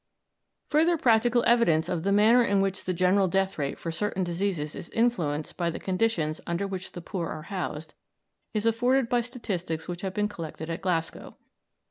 Further practical evidence of the manner in which the general death rate for certain diseases is influenced by the conditions under which the poor are housed is afforded by statistics which have been collected at Glasgow.